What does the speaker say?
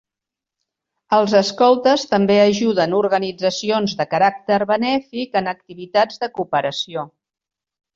Els escoltes també ajuden organitzacions de caràcter benèfic en activitats de cooperació.